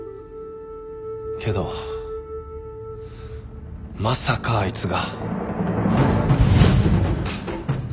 けどまさかあいつが。